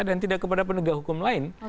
dan tidak kepada penegak hukum lain